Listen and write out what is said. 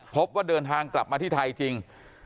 พบว่าเดินทางกลับมาที่ไทยจริง